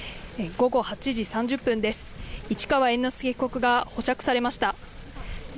午後８時３０分です、市川猿之助被告が保釈されました。